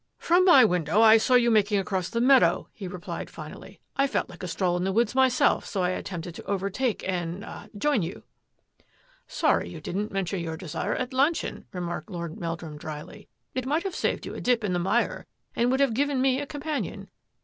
" From my window I saw you making across the meadow," he replied finally. " I felt like a stroll in the woods myself, so I attempted to overtake and — ah — join you." " Sorry you didn't mention your desire at luncheon," remarked Lord Meldrum dryly. " It might have saved you a dip in the mire and would have given me a companion.